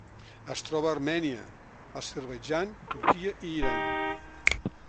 Es troba a Armènia, Azerbaidjan, Turquia i Iran.